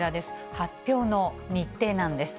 発表の日程なんです。